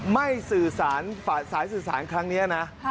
ไม่สื่อสารสายสื่อสารครั้งนี้นะ